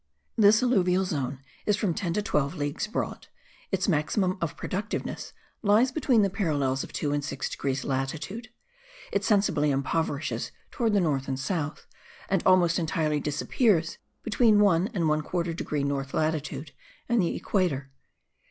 This alluvial zone is from ten to twelve leagues broad; its maximum of productiveness lies between the parallels of 2 and 6 degrees latitude; it sensibly impoverishes towards the north and south, and almost entirely disappears between 1 1/4 degree north latitude and the equator.